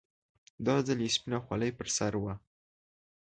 دا ځل يې سپينه خولۍ پر سر وه.